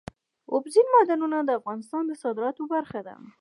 اوبزین معدنونه د افغانستان د صادراتو برخه ده.